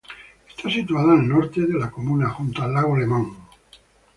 Está situada al norte de la comuna, junto al lago Lemán.